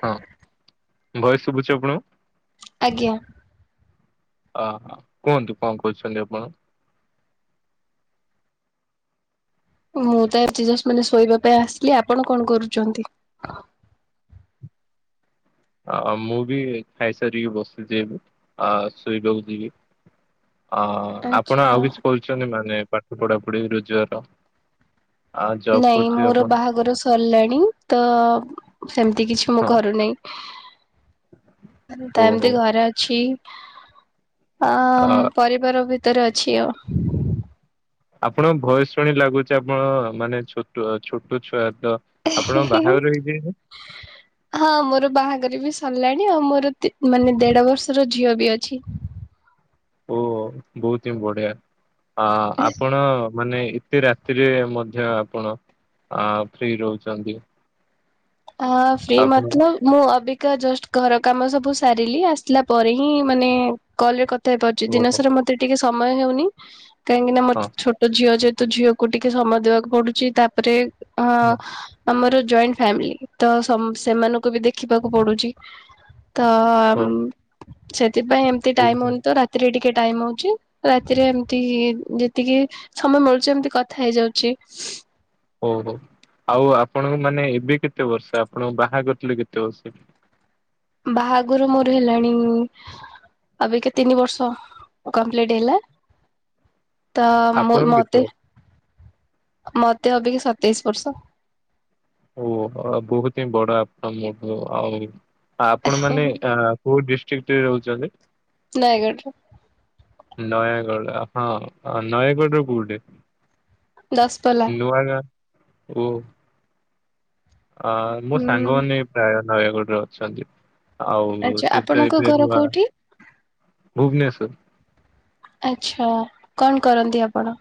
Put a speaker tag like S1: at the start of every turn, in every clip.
S1: ହଁ ଭଏ ସ୍ ଶୁଭୁ ଛିଆପଣଙ୍କୁ
S2: ଆଜ୍ଞା
S1: ଓହୋ କୁହନ୍ତୁ କଣ କହୁଛନ୍ତି ଆପଣ
S2: ମୁଁ ତ ଆଜି ଜଷ୍ଟ ମାନେ ଶୋଇବା ପାଇଁ ଆସିଲି ଆପଣ କଣ କରୁଛନ୍ତି?
S1: ମୁଁ ବି ଖାଇସାରିକି ବସିଛି ଆ ଶୋଇବାକୁ ଯିବି ଅ ଆପଣ
S2: ଆଚ୍ଛା
S1: ଆଉ କିଛି କରୁଛନ୍ତି ମାନେ ପାଠ ପଢା ପଢି ରୋଜଗାର। ଆ ଜବ୍
S2: ନାଇଁ
S1: କରୁଥିବେ
S2: ମୋର
S1: ଆପଣ
S2: ବାହାଘର ସ ସରିଲାଣି ତ ସେମିତି କିଛି ମୁଁ
S1: ହଁ
S2: କରୁନାହିଁ। ତା
S1: ଓହୋ
S2: ଏମିତି ଘରେ ଅଛି।
S1: ଆ
S2: ଅଁ ପରିବାର ଭିତରେ ଅଛି ଆଉ।
S1: ଆପଣ ଭଏସ ଶୁଣି ଲାଗୁଛି ଆପଣ ମାନେ ଛୋଟ ଛୋଟ ଛୁଆ ଆପଣ ବାହଘର ହେଇଯାଇଛି
S2: ହଁ ମୋର ବାହାଘର ବି ସରିଲାଣି ଆଉ ମୋର ମାନେ ଦେଢ ବର୍ଷର ଝିଅ ବି ଅଛି।
S1: ଓ ବୋହୁତ ବଢିଆ ଅ ଆପଣ ମାନେ ଏତେ ରାତିରେ ମଧ୍ୟ ଆପଣ ଅ ଫ୍ରି ରହୁଛନ୍ତି।
S2: ହ ଫ୍ରି
S1: ଆପଣ
S2: ମଧ୍ୟ। ମୁଁ ଅବିକା ଜଷ୍ଟ ଘର କାମ ସବୁ ସାରିଲି ଆସିଲା ପରେ ହିଁ ମାନେ କଲ ରେ କ ଥା ହେଇ ପାରୁଛି
S1: ଓହୋ ହଁ
S2: ଦିନସାରା ମତେ ଟିକେ ସମୟ ହେଉନି କାହିଁକି ନା ମୋର
S1: ହଁ
S2: ଛୋଟ ଝିଅ ଯଦି ତ ଝିଅକୁ ଟିକେ ସମୟ ଦେବାକୁ ପଡୁଛି। ତାପରେ ଅ ଆମର ଜଏଣ୍ଟ ଫ୍ୟାମିଲି। ତ ସ ସେମାନଙ୍କୁ ବି ଦେଖିବାକୁ ପଡୁଛି ତ
S1: ହଉ
S2: ଆମ ସେଥିପାଇଁ ଏମିତି ଟାଇମ
S1: ଓହୋ
S2: ହଉନି ତ ରାତ ରାତିରେ ଟିକେ ଟାଇମ ହଉଛି ରାତିରେ ଏମିତି ଯେତିକି ସମୟ ମିଳୁଛି ଏମିତି କଥା ହେଇଯାଉଛି।
S1: ଓହୋ ଆଉ ଆପଣଙ୍କୁ ମାନେ ଏବେ କେତେ ବର୍ଷ ଆପଣ ବାହା କରିଥିଲେ କେତେ ବର୍ଷ ରେ?
S2: ବାହାଘର ମୋର ହେଲାଣି ଅବିକା ତିନି ବର୍ଷ କମ୍ପ୍ଲିଟ ହେଲା। ତ ମୁ
S1: ଆପଣଙ୍କୁ କେତେ
S2: ମତେ
S1: ବର୍ଷ
S2: ମତେ ଅବିକା ସତେଇଶ ବର୍ଷ।
S1: ଓ ବୋହୁତ ହିଁ ବଡ ଆପଣ ମୋଠୁ ଆଉ ଆପଣ ମାନେ ଅ କୋଉ ଡିଷ୍ଟ୍ରିକ ରେ ରହୁଛନ୍ତି?
S2: ନୟାଗଡ଼ରେ।
S1: ନୟାଗଡ଼ ଆପଣ ନୟାଗଡ଼ ର କୋଉଠେ?
S2: ଦଶପଲ୍ଲା
S1: ନୂଆ ଗାଁ ଓ ଅ ମୋ
S2: ହୁଁ
S1: ସାଙ୍ଗମାନେ ପ୍ରାୟ ନୟାଗଡରେ ଅଛନ୍ତି। ଆଉ
S2: ଆଚ୍ଛା
S1: ସେଟ
S2: ଆପଣଙ୍କ
S1: ଏବେ
S2: ଘର
S1: ନୂଆ
S2: କୋଉଠି?
S1: ଭୁବନେଶ୍ଵର।
S2: ଆଛା କଣ କରନ୍ତି ଆପଣ?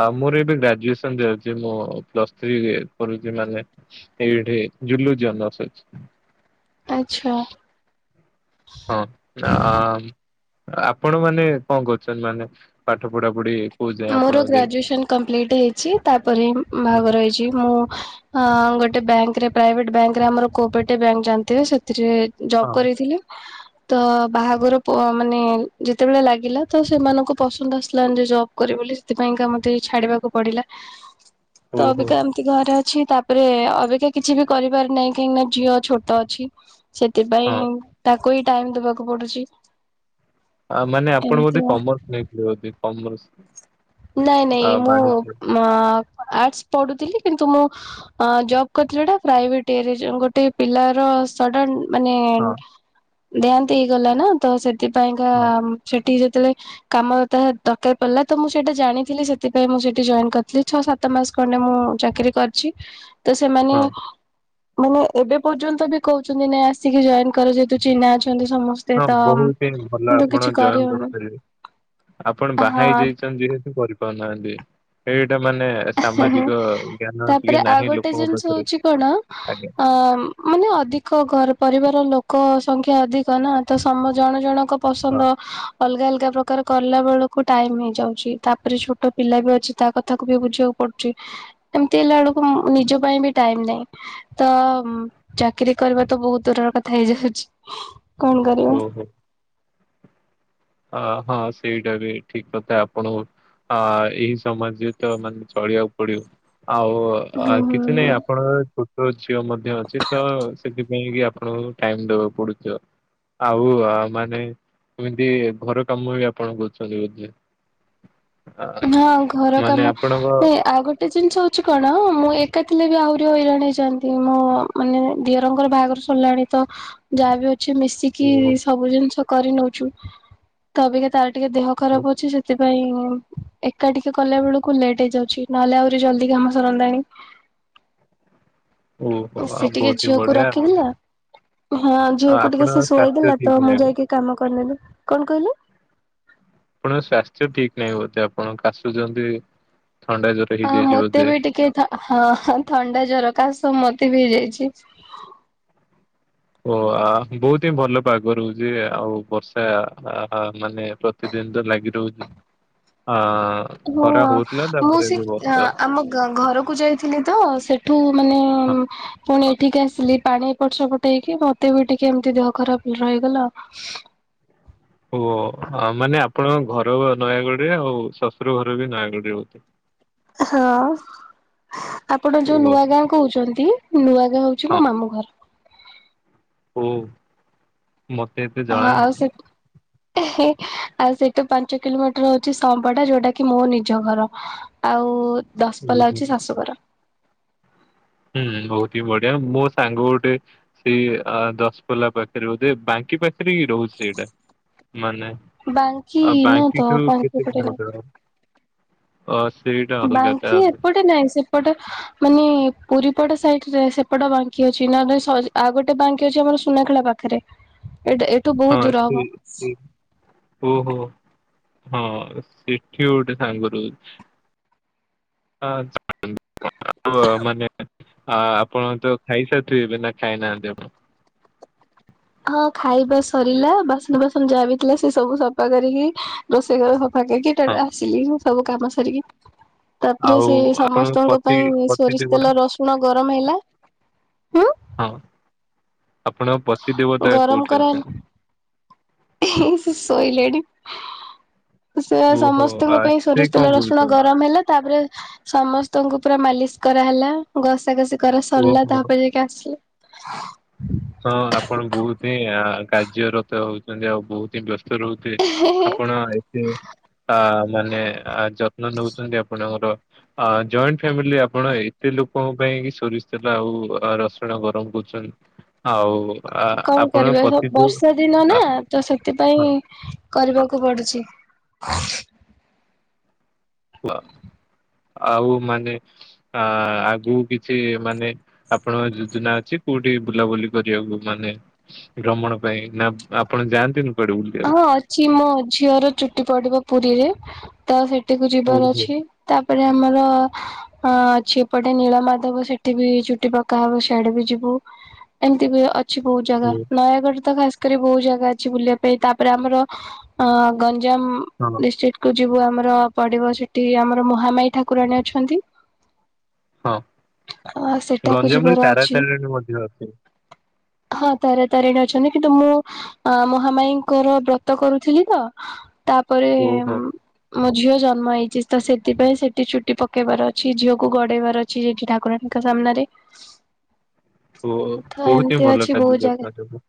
S1: ଆ ମୋର ଏବେ ଗ୍ରାଜୁଏସନରେ ଅଛି ମୁଁ ପ୍ଲସ ଥ୍ରୀ କରୁଛି ମାନେ ଏଇଠି ଜୁଲଜୀ ହୋନର ଅଛି।
S2: ଆଛା।
S1: ହଁ। ଆ ଆପଣ ମାନେ କଣ କରୁଛନ୍ତି ମାନେ ପାଠ ପଢାପଢି?
S2: ମୋର ଗ୍ରାଜୁଏସନ କମ୍ପ୍ଲିଟ ହେଇଛି ତାପରେ
S1: ହଁ
S2: ବାହାଘର ହେଇଛି ମୁଁ ହଁ ଗୋଟେ ବ୍ୟାଙ୍କରେ ପ୍ରାଇଭେଟ ବ୍ୟାଙ୍କ ରେ ଆମର କୋପେଟ ବ୍ୟାଙ୍କ ଜାଣିଥିବେ ସେଥିରେ ଜବ୍ କରିଥିଲି। ତ ବାହାଘର ମାନେ ଯେତେବେଳେ ଲାଗିଲା ତ ସେମାନଙ୍କୁ ପସନ୍ଦ ଆସିଲାନି ଯେ ଜବ କରେ ବୋଲି ସେଥିପାଇଁକା ମତେ ଛାଡିବାକୁ ପଡିଲା ତ
S1: ଓହୋ
S2: ଅବିକା ଘରେ ଅଛି ତାପରେ ଅବିକ କିଛି ବି କରିବାର ନାହିଁ କାହିଁକି ନା ଝିଅ ଛୋଟ ଅଛି।
S1: ହଁ
S2: ସେଥିପାଇଁ ତାକୁ ହିଁ ଟାଇମ ଦବାକୁ ପଡୁଛି।
S1: ଆ ମାନେ ଆପଣ
S2: ଏମିତି
S1: ବୋଧେ
S2: ଆଉ।
S1: କମର୍ସ ନେଇଥିବେ କମର୍ସ।
S2: ନାଇଁ
S1: ଆ
S2: ନାଇଁ ମୁଁ
S1: ବାଣିଜ୍ୟ
S2: ଆର୍ଟସ୍ ପଢୁଥିଲି କିନ୍ତୁ ମୁଁ ଅ ଜବ୍ କରିଥିଲି ସେଟା ପ୍ରାଇଭେଟି ଏରିଆର ଗୋଟେ ପିଲାର ସ ମାନେ
S1: ହଁ
S2: ଦେହାନ୍ତ ହେଇଗଲା ନା ତ ସେଥିପାଇଁକା
S1: ହଁ
S2: ସେଠିକି ଯେତେବେଳେ କାମ ତାହା ଦରକାର ପଡ଼ିଲା ତ ମୁଁ ସେଟା ଜାଣିଥିଲି ସେଥିପାଇଁ ମୁଁ ସେଠି ଜଏନ୍ କରିଥିଲି ଛଅ ସାତ ମାସ ଖଣ୍ଡେ ମୁଁ ଚାକିରୀ କରିଛି। ତ ସେମାନେ
S1: ହଁ
S2: ମାନେ ଏବେ ପର୍ଯ୍ୟନ୍ତ ବି କହୁଛନ୍ତି ନାଇ ଆସିକି ଜଏନ କର ଯେହେତୁ ଚିହ୍ନା ଅଛନ୍ତି ସମସ୍ତେ
S1: ହଁ
S2: ତ
S1: ବୋହୁତ ହିଁ ଭଲ
S2: କିନ୍ତୁ
S1: ଆପଣ
S2: କିଛି
S1: ଜଏନ
S2: କରିହଉନି
S1: କରିପାରିବେ। ଆପଣ ବାହା ହେଇ
S2: ହଁ
S1: ଯାଇଛନ୍ତି ଯେହେତୁ କରିପାରୁନାହାନ୍ତି। ଏଇଟା ମାନେ ସାମାଜିକ ଜ୍ଞାନ
S2: ତାପରେ
S1: ଟିକେ
S2: ଆଉ
S1: ନାହିଁ
S2: ଗୋଟେ
S1: ଲୋକଙ୍କ
S2: ଜିନିଷ
S1: ପାଖରେ।
S2: ହଉଛି କଣ
S1: ଆଜ୍ଞା
S2: ଅ ମାନେ ଅଧିକ ଘର ପରିବାର ଲୋକ ସଂଖ୍ୟା ଅଧିକ ନା ତ ସମ ଜଣ ଜଣ
S1: ହଁ
S2: ପସନ୍ଦ ଅଲଗା ଅଲଗା ପ୍ରକାର କଲା ବେଳକୁ କୁ ଟାଇମ ହେଇଯାଉଛି ତାପରେ ଛୋଟ ପିଲା ବି ଅଛି ତା କଥା କୁ ବି ବୁଝିବାକୁ ପଡୁଛି। ଏମିତି ହେଲା ବେଳକୁ ନିଜ ପାଇଁ ବି ଟାଇମ ନାହିଁ। ତ ଚାକିରୀ କରିବା ତ ବହୁତ ଦୂରର କଥା ହେଇଯାଉଛି କଣ କର
S1: ଓହୋ। ଅ ହଁ ସେଇଟା ବି ଠିକ କଥା ଆପଣ ଅ ଏହିଇ ସମାଜରେ ତ ମାନେ ଚଳିବାକୁ ପଡିବ
S2: ହୁଁ ହୁଁ
S1: ଆଉ କିଛି ନାଇଁ।
S2: ହୁଁ।
S1: ଆପଣ ଛୋଟ ଝିଅ ମଧ୍ୟ ଅଛି ତ ସେଥିପାଇଁ କି ଆପଣଙ୍କୁ ଟାଇମ ଦବାକୁ ପଡୁଥ ଆଉ ଆ ମାନେ କୁହନ୍ତି ଘର କାମ ବି ଆପଣ କରୁଛନ୍ତି ବୋଧେ? ଆ
S2: ହଁ ଘର
S1: ମାନେ
S2: କାମ
S1: ଆପଣଙ୍କ
S2: ଆଉ ଗୋଟେ ଗୋଟେ ଜିନିଷ ହଉଛି କଣ ମୁଁ ଏକା ଥିଲେ ବି ଆହୁରି ହଇରାଣ ହେଇଯାନ୍ତି ମଁ ମାନେ ଦିଅରଙ୍କର ବାହାଘର କଲାଣି ତ ଯାହା ବିି ଅଛି ମିଶ
S1: ଓହୋ
S2: ସବୁ ଜିନିଷ କରି ନଉଛୁ ତ ଅବିକା ତାର ଟିକେ ଦେହ ଖରାପ ଅଛି ସେଥି ପାଇଁାଇ ଏକାଠିକି କଲା ବେଳକୁ ଲେଟ୍ ହେଇଯାଉଛି ନହେଲେ ଆହୁରି ଜଲଦି କାମ ସରନ୍ତାନି।
S1: ଓହୋ
S2: ସେ
S1: ଆଉ
S2: ଟିକେ
S1: ବହୁତ ହି
S2: ଝିଅକୁ
S1: ବଢିଆ
S2: ରଖିଦଥିଲା ହଁ ଝିଅକୁ
S1: ଆପଣ
S2: ଟିକେ ସେ ଶୁଆଇ
S1: ସ୍ୱାସ୍ଥ୍ୟ
S2: ଦେଲା ତ
S1: ଠିକ
S2: ମୁଁ
S1: ନାହିଁ
S2: ଯାଇକି କାମ କରିନେଲୁ କଣ କହିଲେ?
S1: ଆପଣଙ୍କ ସ୍ୱାସ୍ଥ୍ୟ ଠିକ ନାହିଁ ବୋଧେ ଆପଣ କାଶୁଛନ୍ତି ଥଣ୍ଡା ଜ
S2: ହଁ ମତେ ବି ଟିକେ ହଁ ଥଣ୍ଡା ଜର କାଶ ସବୁ ମତେ ବି ହେଇଯାଇଛି।
S1: ଓ ଆ ବହୁତି ଭଲ ପାଗ ରହୁଚି ଆଉ ବର୍ଷା ଆ ଆ ମାନେ ବ ସେତେଦିନ ତ ଲାଗି ରହୁଛି ଆ
S2: ହଁ
S1: ଖରା ହଉଥିଲା
S2: ମୁଁ
S1: ତାପରେ
S2: ସେ
S1: ବି
S2: ଆଁ
S1: ବର୍ଷା
S2: ଆମ ଗ ଘରକୁ ଯାଇ ଥିଲି ତ ସେଠୁ ମାନେ ପୁଣି ଏଠିକି ଆସିଲି ପାଣି ଏପଟ ସେପଟ। ପଟେଇକି ମତେ ବି ଟିକେ ଏମିତି ଦେହ ଖରାପ ରହିଗଲା।
S1: ଓ ଅ ମାନେ ଆପଣଙ୍କ ଘର ନୟାଗଡ ରେ ଆଉ ଶଶୁର ଘର ବି ନୟାଗଡ଼ ରେ ହଉ -
S2: ହଁ ଆପଣ ଯୋଉ
S1: ଓ
S2: ନୂଆ ଗାଁ କହୁଚନ୍ତି ନୂଆ ହଉଛି ମାମୁଁ ଘର।
S1: ହୁଁ। ମତେ ଏତେ
S2: ହଁ ଆଉ ସେ ଏ ହେ ଆଉ ସେଇଟୁ ପାଞ୍ଚ କିଲୋମିଟର ହଉଛି ସମ୍ପଟା ଯୋଉଟା କି ମୋ ନିଜ ଘର। ଆଉ ଦଶପଲା ହଉଛି ଶାଶୁଘର।
S1: ହୁଁ ବହୁତ ହିଁ ବଢିଆ ମୋ ସାଙ୍ଗ ଗୋଟେ। ସେଇ ଆ ଦଶପୋଲା ପାଖରେ ବୋଧେ ବାଙ୍କି ପାଖରେ ରହୁଛି ସେଇଟା ମାନେ।
S2: ବାଙ୍କି
S1: ଆଉ
S2: ନା ତ
S1: ବାଙ୍କିଠୁ
S2: ବାଙ୍କି
S1: କେତେ
S2: ପଟେ ନା
S1: କିଲୋମିଟର ହବ? ଅ ସେଇଟା ଅଲଗା
S2: ବାଙ୍କି
S1: ତାହେଲେ
S2: ଏପଟେ ନାଇଁ ସେ ସେପଟେ ମାନେ ପୁରୀ ପଟ ସାଇଟ ରେ ସେପଟ ବାଙ୍କି ଅଛି ନହଲେ ସରି ଆଉ ଗୋଟେ ବାଙ୍କି ଅଛି ଆମର ସୁନାଖେଳା ପାଖେରେ। ଏଟା ଏଠୁ ବ
S1: ହଁ ସ ହୁଁ ଉଁ ଓହୋ। ହଁ ସେଠି ଗୋଟେ ସାଙ୍ଗ ରହୁଛି। ଆଛ [inaudible] ଆଉ ମାନେ ଆ ଆପଣ ତ ଖାଇସାରିଥିବେ ଏବେ ନା ଖାଇନାହାନ୍ତି ଆପଣ।
S2: ହଁ ଖାଇବା ସରିଲା ବାସନ ବାସନ ଯାହା ବି ଥିଲା ସେ ସବୁ ସଫା କରିକି। ରୋଷେଇ ଘର ସଫା କରିକି
S1: ହଁ
S2: [unintelligible] ଆସିଲି ସବୁ କାମ ସାରିକି। ତାପରେ
S1: ଆଉ
S2: ସେ
S1: ଆପଣଙ୍କ
S2: ସମସ୍ତଙ୍କ
S1: ପତି
S2: ପାଇଁ
S1: ପତି
S2: ସୋରିଷ
S1: ଦେବତା
S2: ତେଲ ରସୁଣ ଗରମ ହେଲା।
S1: ହଁ ଆପଣଙ୍କ ପତି ଦେବତା କୋଉଠି ଅଛ
S2: ହେଇ ସେ ଶୋଇଲେଣି। ସେ
S1: ଓହୋ ଆ
S2: ସମସ୍ତଙ୍କ ପାଇଁ
S1: ସେ
S2: ସୋରିଷ
S1: କଣ
S2: ତେଲ ରସୁଣ
S1: କରୁଛନ୍ତି?
S2: ଗରମ ହେଲା ତାପରେ। ସମସ୍ତଙ୍କୁ ପୁରା ମାଲିସ କରାହଲା ଘସାକଷି କରା ସଲା
S1: ଓହୋ ହଁ
S2: ତାପରେ। ହେଆ ଆସିଲି।
S1: ହଁ ଆପଣ ବହୁତ ହିଁ ଆ କାର୍ଯ୍ୟରତ ହଉଛନ୍ତି ଆଉ ବହୁତ ହିଁ ବ୍ୟସ୍ତ ରହୁ ସେ ଆପଣ। ଆ ମାନେ ଯତ୍ନ ନଉଛନ୍ତି ଆପଣଙ୍କର ଅ ଜଏଣ୍ଟ। ଫିଆମିଲି ଆପଣ ଏତେ ଲୋକଙ୍କ ପାଇଁକି ସୋରିଷ ତେଲ ଆଉ ଅ ରସୁଣ ଗରମ କରୁଛନ୍ ଆଉ ଆ
S2: କଣ କରିବା ସ
S1: ଯୋଉ
S2: ବର୍ଷା ଦିନ
S1: ଆ
S2: ନା ତ
S1: ହଁ
S2: ସେଥିପାଇଁ। କରିବାକୁ ପଡୁଛି।
S1: ଉଅ ଆଉ ମାନେ ଆ ଆଗକୁ କିଛି ମାନେ। ଆପଣ ଯୋଜନା ଅଛି କୋଉଠି ବୁଲାବୁଲି କରିବାକୁ ମାନେ। ଭ୍ରମଣ ପାଇଁ ନା ଆପଣ ଯାଆନ୍ତିନି କୁଆଡେ ବୁଲିବାକୁ।
S2: ହଁ ଅଛି ମୋ ଝିଅର ଚୁଟି ପଡିବ ପୁରୀରେ ତ ସେଠିକୁ ଯିବାର
S1: ଓହୋ
S2: ଅଛି ତାପରେ ଆମର ହଁ ଅଛି ଏପଟେ ନୀଳ ମାଧବ ସେଠି ବି ଚୁଟି ପକାହବ ସିଆଡେ ବି ଯିବୁ ଏମିତି ବି ଅଛି ବହୁତ ଜାଗା
S1: ଓ
S2: ନୟାଗଡରେ ତ ଖାସ୍ କରି ବହୁତ୍ ଜାଗା ଅଛି ବୁଲିବାକୁ ତାପରେ ଆମର ଗଞ୍ଜାମ
S1: ହଁ
S2: ଡିଷ୍ଟ୍ରିକ୍ଟ୍ କୁ ଯିବୁ ଆମର ପଡିବ ସେଠି ଆମର ମହାମାଇ ଠାକୁରାଣୀ ଅଛନ୍ତି
S1: ହଁ
S2: ଆ ସେଟାକୁ
S1: ଗଞ୍ଜାମରେ
S2: ଯିବାର
S1: ତାରା
S2: ଅଛି
S1: ତାରିଣୀ ମଧ୍ୟ ଅଛି।
S2: ହଁ ତାର ତାରିଣୀ ଅଛନ୍ତି, କିନ୍ତୁ ମୁଁ ମହାମାଇ ଙ୍କର ବ୍ରତ କରୁଥିଲି ତ ତାପରେ
S1: ଓହୋ
S2: ମୋ ଝିଅ ଜନ୍ମ ହେଇଛି ତ ସେଥିପାଇଁ ସେଠି ଚୁଟି ପକେଇବାର ଅଛି ଝିଅକୁ ଗଡେଇବାର ଅଛି ଠି ଠାକୁରାଣୀଙ୍କ ସାମ୍ନାରେ
S1: ଓ
S2: ତ
S1: ବହୁତ ହିଁ
S2: ଏମିତି
S1: ଭଲ
S2: ଅଛି ବହୁତ ଜାଗା
S1: [unintelligible]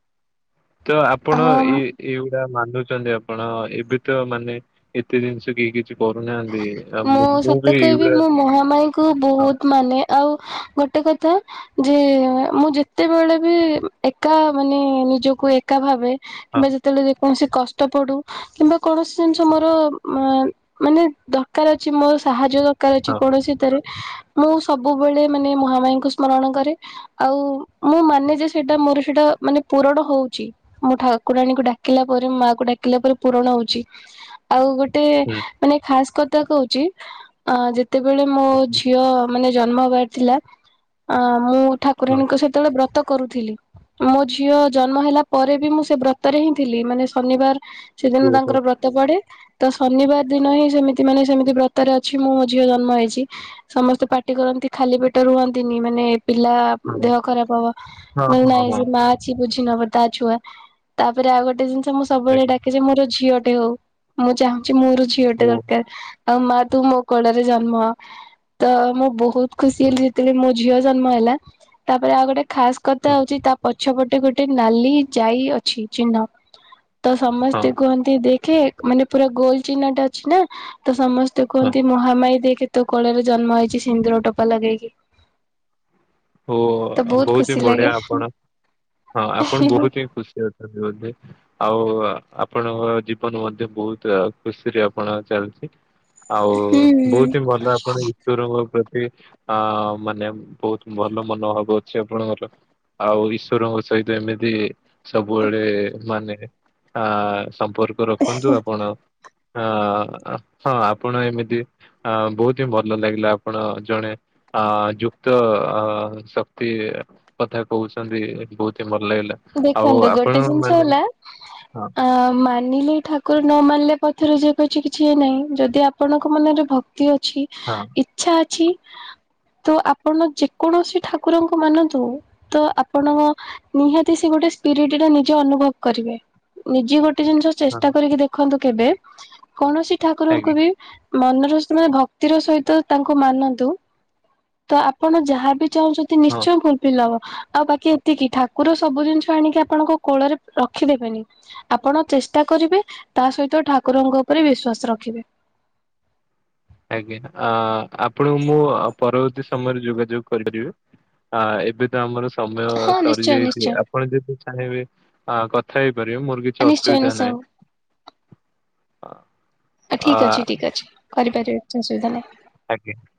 S1: ତ ଆପଣ
S2: ହଁ
S1: ଏଇ ଏଇ ଏଇଗୁଡା ମାନୁଛନ୍ତି ଆପଣ ଏବେ ତ ମାନେ ଏତେ ଜିନିଷ କେହି କିଛି କରୁନାହାନ୍ତି ଆଉ ମୁଁ ମୁଁ ବି
S2: କୁ ବହୁତ୍ ମାନେ ଆଉ ଗୋଟେ କଥା ଯେ ମୁଁ ଯେତେବେଳେ ବି ଏକା ମାନେ ନିଜକୁ ଏକା ଭାବେ
S1: ହଁ
S2: କିମ୍ବା ଯେତେବେଳେ କୌଣସି କଷ୍ଟ ପଡୁ କିମ୍ବା କୌଣସି ଜିନିଷ ମୋର ମାନେ ଦରକାର୍ ଅଛି ମୋର ସାହାଯ୍ୟ ଦରକାର୍ ଅଛି
S1: ହଁ
S2: କୌଣସିିତରେ ମୁଁ ସବୁବେଳେ ମାନେ ମହାମାଇଙ୍କୁ ସ୍ମରଣ କରେ ଆଉ ମୁଁ ମାନେ ଯେ ସେଟା ମୋର ସେଇଟା ମାନେ ପୂୁରଣ ହଉଛି ମୁଁ ଠାକୁରାଣୀକୁ ଡାକିଲା ପରେ ମାଆକୁ ଡାକିଲା ପରେ ପୂରଣ ହଉଛି ଆଉ ଗୋଟେ
S1: ହଁ
S2: ମାନେ ଖାସ୍ କଥା କହୁଛି ଅ ଯେତେବେଳେ ମୋ
S1: ହୁଁ ହୁଁ,
S2: ଝିଅ ମାନେ ଜନ୍ମ ହବାର ଥିଲା ଅ ମୁଁ
S1: ହଁ
S2: ଠାକୁରାଣୀଙ୍କ ସେତେବେଳେ ବ୍ରତ କରୁଥିଲି ମୋ ଝିଅ ଜନ୍ମ ହେଲା ପରେ ବି ମୁଁ ସେ ବ୍ରତରେ ହିଁ ଥିଲି ମାନେ ଶନିବାର ସେଦିନ
S1: ଓ ହୋ
S2: ତାଙ୍କର ବ୍ରତ ପଡେ ତ ଶନିବାର୍ ଦିନ ହିଁ ସେମିତି ସେ ମାନେ ସେମିତି ବ୍ରତରେ ଅଛି ମୁଁ ମୋ ଝିଅ ଜନ୍ମ ହେଇଛି ସମସ୍ତେ ପାଟି କରନ୍ତି ଖାଲି ପେଟ ରୁହନ୍ତିନି ମାନେ ପିଲା
S1: ହଁ
S2: ଦେହ ଖରାପ ହବ
S1: ହଁ
S2: ମୁଁ
S1: ହଁ
S2: ନାଇଁ
S1: ହଁ
S2: ସେ ମା କିଛି ବୁଝି ନବ ତା ଛୁଆ ତାପରେ ଆଉ ଗୋଟେ ଜିନିଷ ମୁଁ ସବୁବେଳେ
S1: ଆଜ୍ଞା
S2: ଡାକେ ଯେ ମୋର ଝିଅଟେ ହଉ ମୁଁ ଚାହୁଁଛି ମୋର ଝିଅ ଗୋଟେ
S1: ଓ
S2: ଦରକାର୍ ଆଉ ମା ତୁ ମୋ କୋଳରେ ଜନ୍ମ ହ ତ ମୁଁ ବହୁତ୍ ଖୁସି
S1: ହଁ
S2: ହେଲି ଯେତେବେଳେ ମୋ ଝିଅ ଜନ୍ମ ହେଲା ତାପରେ ଆଉ ଗୋଟେ ଖାସ୍ କଥା
S1: ହଁ
S2: ହଉଛି ତା ପଛପଟେ ଗୋଟେ ନାଲି ଯାଇ ଅଛି ଚିହ୍ନ ତ
S1: ହଁ
S2: ସମସ୍ତେ କୁହନ୍ତି ଦେଖେ ମାନେ ପୁରା ଗୋଲ ଚିହ୍ନଟା ଅଛି ନା ତ ସମସ୍ତେ କୁହନ୍ତି
S1: ହଁ
S2: ମହାମାଇ ଦେଖେ ତୋ କୋଳରେ ଜନ୍ମ ହେଇଛି ସିନ୍ଦୁର ଟୋପା ଲଗେଇକି
S1: ଓ
S2: ତ
S1: ବହୁତ ହିଁ
S2: ଖୁସି ଲାଗେ।
S1: ବଢିଆ ଆପଣ ହଁ ଆପଣ ବହୁତ ହିଁ ଖୁସି ଅଛନ୍ତି ବୋଧେ ଆଉ ଆପଣଙ୍କ ଜୀବନ ମଧ୍ୟ ବହୁତ୍ ଖୁସିରେ ଆପଣ ଚାଲିଛି ଆଉ ବହୁତ ହିଁ ଭଲ ଆପଣ ଈଶ୍ୱରଙ୍କ ପ୍ରତି ଅ ମାନେ ବହୁତ୍ ଭଲ ମନୋଭାବ ଅଛି ଆପଣଙ୍କର ଆଉ ଈଶ୍ୱରଙ୍କ ସହିତ ଏମିତି ସବୁବେଳେ ମାନେ ଅ ସମ୍ପର୍କ ରଖନ୍ତୁ ଆପଣ ହଁ ହଁ ଆପଣ ଏମିତି ଅ ବହୁତ୍ ହିଁ ଭଲ ଲାଗିଲା ଆପଣ ଜଣେ ଅ ଯୁକ୍ତ ଅ ଶକ୍ତି କଥା କହୁଛନ୍ତି ବହୁତ୍ ହିଁ ଭଲ ଲାଗିଲା ଆଉ
S2: ଦେଖନ୍ତୁ
S1: ଆପଣ
S2: ଗୋଟେ ଜିନିଷ
S1: ମାନେ
S2: ହେଲା
S1: ହଁ
S2: ଆ ମା ମାନିଲେ ଠାକୁର ନ ମାରିଲେ ପଥରେ ଯିଏ କହିଛି କିଛି ନାହିଁ ଯଦି ଆପଣଙ୍କ ମନରେ ଭକ୍ତି ଅଛି
S1: ହଁ।
S2: ଇଚ୍ଛା ଅଛି ତ ଆପଣ ଯେକୌଣସି ଠାକୁରଙ୍କୁ ମାନନ୍ତୁ ତ ଆପଣ ନିହାତ ସେ ଗୋଟେ ସ୍ପିରିଟ ଟା ନିଜେ ଅନୁଭବ କରିବେ ନିଜେ ଗୋଟେ ଜିନିଷ
S1: ହଁ
S2: ଚେଷ୍ଟା କରିକି ଦେ ଦେଖନ୍ତୁ କେବେ କୌଣସି ଠାକୁରଙ୍କୁ
S1: ଆଜ୍ଞା
S2: ବି ମନରୁ ସିନା ଭକ୍ତିର ସହିତ ତାଙ୍କୁ ମାନନ୍ତୁ ତ ଆପଣ ଯାହାବି ଚାହୁଁଛନ୍ତି
S1: ହଁ
S2: ନିଶ୍ଚୟ ଫୁଲ୍ ଫିଲ୍ ହବ ଆଉ ବାକି ଏତିକି ଠାକୁର ସବୁ ଜିନିଷ ଆଣିକି ଆପଣଙ୍କ କୋଳରେ ରଖିଦେବେନି ଆପଣ ଚେଷ୍ଟା କରିବେ ତା ସହିତ ଠାକୁରଙ୍କ ଉପରେ ବିଶ୍ଵାସ ରଖିବେ।
S1: ଆଜ୍ଞା ଆ-ଆପଣଙ୍କୁ ମୁଁ ପରବର୍ତ୍ତୀ ସମୟରେ ଯୋଗାଯୋଗ କରିପାରିବି? ଆ ଏବେ ତ ଆମର ସମୟ
S2: ହଁ ନିଶ୍ଚୟ
S1: ସରିଯାଇଚି
S2: ନିଶ୍ଚୟ
S1: ଆପଣ ଯଦି ଚାହିଁବେ କଥା ହେଇପାରିବେ ମୋର କିଛି
S2: ନିଶ୍ଚୟ
S1: ଅସୁବିଧା
S2: ନିଶ୍ଚୟ
S1: ନାହିଁ। ହଁ।
S2: ଠିକ୍ ଅଛି ଠିକ୍ ଅଛି କରିପାରିବେ କିଛି ଅସୁବିଧା ନାହିଁ।
S1: ଆଜ୍ଞା।